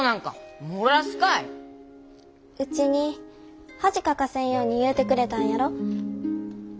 ウチに恥かかせんように言うてくれたんやろ？